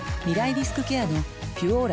リスクケアの「ピュオーラ」